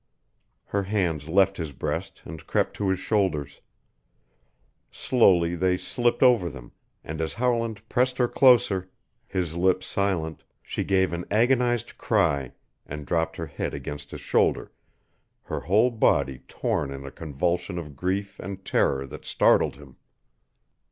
Her hands left his breast and crept to his shoulders; slowly they slipped over them, and as Howland pressed her closer, his lips silent, she gave an agonized cry and dropped her head against his shoulder, her whole body torn in a convulsion of grief and terror that startled him.